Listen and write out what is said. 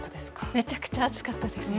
めちゃくちゃ暑かったです。